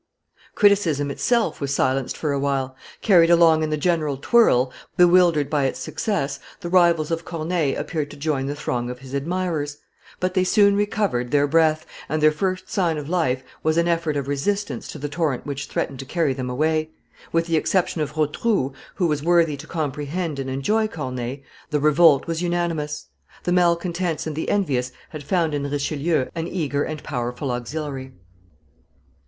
Criticism itself was silenced for a while; carried along in the general twirl, bewildered by its success, the rivals of Corneille appeared to join the throng of his admirers; but they soon recovered their breath, and their first sign of life was an effort of resistance to the torrent which threatened to carry them away; with the exception of Rotrou, who was worthy to comprehend and enjoy Corneille, the revolt was unanimous. The malcontents and the envious had found in Richelieu an eager and a powerful auxiliary.